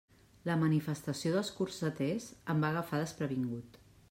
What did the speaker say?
La manifestació dels corseters em va agafar desprevingut.